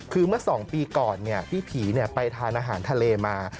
คือเมื่อ๒ปีก่อนพี่ผีไปทานอาหารทะเลมา